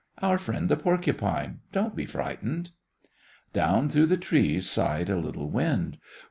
"Our friend the porcupine. Don't be frightened." Down through the trees sighed a little wind.